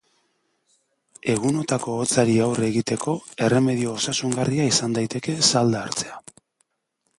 Egunotako hotzari aurre egiteko erremedio osasungarria izan daiteke salda hartzea.